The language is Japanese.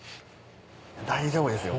大丈夫ですよ。